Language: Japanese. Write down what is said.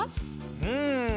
うん。